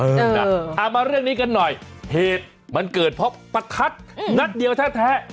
เอามาเรื่องนี้กันหน่อยเหตุมันเกิดเพราะประทัดนัดเดียวแท้